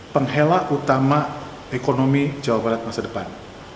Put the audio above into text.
penghela utama ekonomi jawa barat masa depan